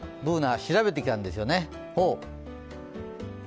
Ｂｏｏｎａ、調べてきたんですよね。